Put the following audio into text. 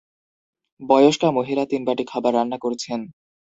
বয়স্কা মহিলা তিন বাটি খাবার রান্না করছেন।